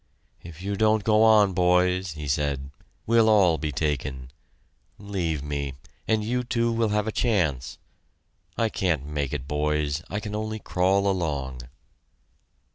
"If you don't go on, boys," he said, "we'll all be taken. Leave me, and you two will have a chance. I can't make it, boys; I can only crawl along."